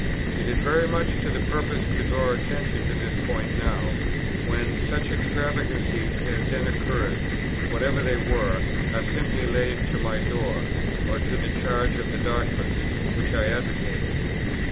It is very much to the purpose to draw attention to this point now, when such extravagances as then occurred, whatever they were, are simply laid to my door, or to the charge of the doctrines which I advocated.